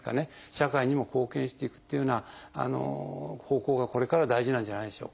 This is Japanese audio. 社会にも貢献していくというような方向がこれからは大事なんじゃないでしょうか。